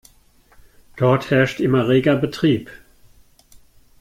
Dort herrscht immer reger Betrieb.